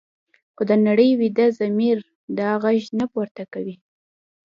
خو د نړۍ ویده ضمیر دا غږ نه پورته کوي.